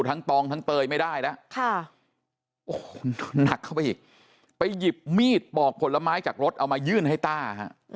ตองทั้งเตยไม่ได้แล้วโอ้โหหนักเข้าไปอีกไปหยิบมีดปอกผลไม้จากรถเอามายื่นให้ต้าฮะ